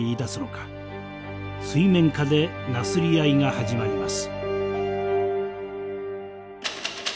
水面下でなすり合いが始まります。